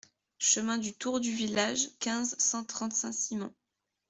Chemin du Tour du Village, quinze, cent trente Saint-Simon